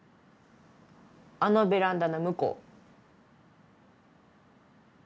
あのベランダのむこう。